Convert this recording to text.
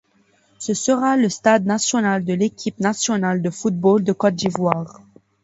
Ce sera le stade national de l'équipe nationale de football de Côte d'Ivoire.